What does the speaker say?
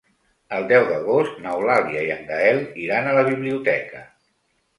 El deu d'agost n'Eulàlia i en Gaël iran a la biblioteca.